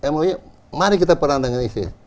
mou mari kita perang dengan isis